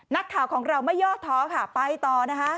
นักข่าวของเราไม่ย่อท้อค่ะไปต่อนะคะ